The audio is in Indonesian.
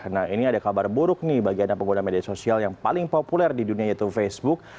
nah ini ada kabar buruk nih bagi anda pengguna media sosial yang paling populer di dunia yaitu facebook